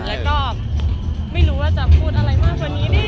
แล้วก็ไม่รู้ว่าจะพูดอะไรมากกว่านี้แน่